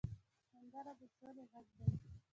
سندره د سولې غږ دی